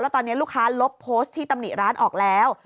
ตอนนี้ลูกค้าลบโพสต์ที่ตำหนิร้านออกแล้ว